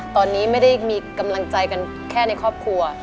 ตอนนี้ไม่ได้มีกำลังใจกันแค่ในครอบครัว